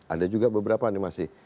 ada juga beberapa nih mas sih